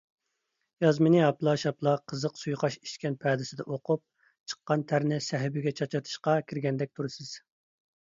يازمىنى ھاپىلا - شاپىلا قىزىق سۇيۇقئاش ئىچكەن پەدىسىدە ئوقۇپ، چىققان تەرنى سەھىپىگە چاچرىتىشقا كىرگەندەك تۇرىسىز.